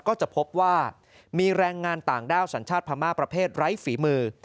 ก็จะพบว่ามีแรงงานต่างด้าวสัญชาติพม่าประเภทไร้ฝีมือ